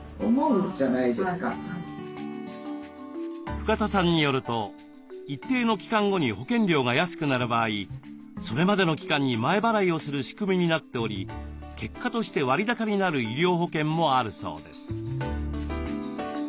深田さんによると一定の期間後に保険料が安くなる場合それまでの期間に前払いをする仕組みになっており結果として割高になる医療保険もあるそうです。